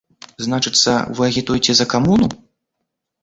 Значыцца, вы агітуеце за камуну?